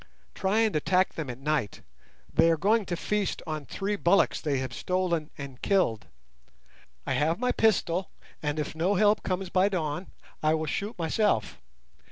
Try and attack them at night; they are going to feast on three bullocks they have stolen and killed. I have my pistol, and if no help comes by dawn I will shoot myself.